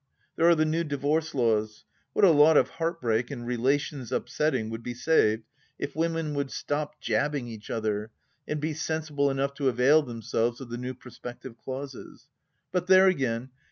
There are the new Divorce Laws. What a lot of heart break, and relations' upsetting, would be saved if women would stop jabbing each other, and be sensible enough to avail themselves of the new prospective clauses. But there, again.